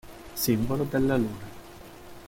Simbolo della luna.